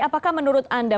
apakah menurut anda